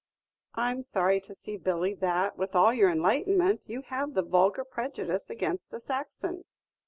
"I 'm sorry to see, Billy, that, with all your enlightenment, you have the vulgar prejudice against the Saxon."